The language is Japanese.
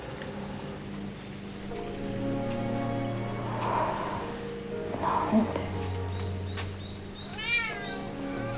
ああ何で。